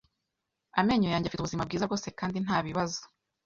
Amenyo yanjye afite ubuzima bwiza rwose kandi nta bibazo.